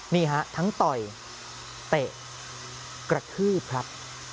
นี่ฮะทั้งต่อยเตะกระทืบครับ